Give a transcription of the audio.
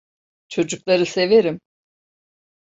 Çocukları severim.